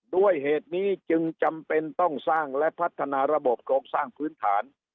ด้วยเหตุนี้จึงจำเป็นต้องสร้างและพัฒนาระบบโครงสร้างพื้นฐาน